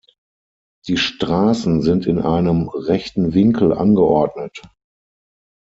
Die Straßen sind in einem rechten Winkel angeordnet.